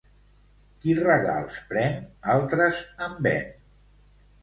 Qui regals pren, altres en ven.